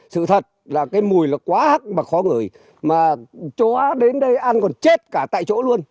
sự thật là cái mùi là quá hắc và khó người mà chó đến đây ăn còn chết cả tại chỗ luôn